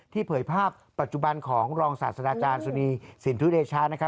เผยภาพปัจจุบันของรองศาสตราจารย์สุนีสินทุเดชะนะครับ